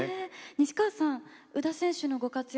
西川さん、宇田選手のご活躍